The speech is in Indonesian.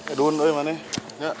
aduh ini mana